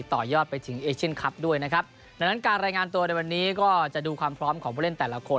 ต่อยอดไปถึงเอเชียนคลับด้วยนะครับดังนั้นการรายงานตัวในวันนี้ก็จะดูความพร้อมของผู้เล่นแต่ละคน